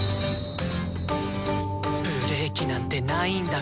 ブレーキなんてないんだから。